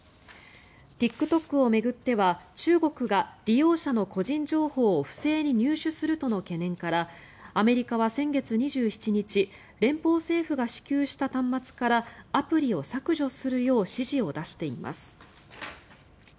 ＴｉｋＴｏｋを巡っては中国が利用者の個人情報を不正に入手するとの懸念からアメリカは先月２７日連邦政府が支給した端末からアプリを削除するよう指示を出しています。